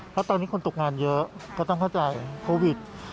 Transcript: เพราะตอนนี้คนตกงานเยอะก็ต้องเข้าใจโควิด